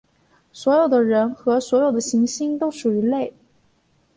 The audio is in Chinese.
所有的人和所有的行星都属于类。